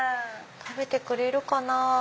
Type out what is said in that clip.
食べてくれるかな？